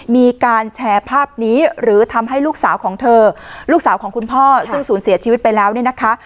มีการแชร์ภาพนี้หรือทำให้ลูกสาวของเธอลูกสาวของคุณพ่อซึ่งศูนย์เสียชีวิตไปแล้วเนี่ยนะคะ